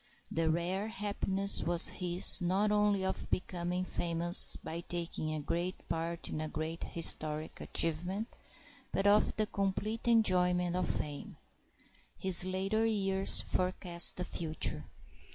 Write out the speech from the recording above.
The rare happiness was his not only of becoming famous by taking a great part in a great historic achievement, but of the complete enjoyment of fame. His later years forecast the future.